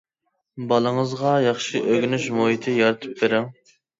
بالىڭىزغا ياخشى ئۆگىنىش مۇھىتى يارىتىپ بېرىڭ.